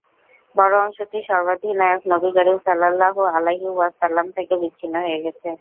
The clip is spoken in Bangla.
বড় অংশটি সর্বাধিনায়ক নবী করীম সাল্লাল্লাহু আলাইহি ওয়াসাল্লাম থেকে বিচ্ছিন্ন হয়ে গেছে।